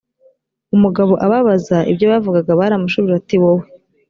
umugabo ababaza ibyo bavugaga baramushubije bati wowe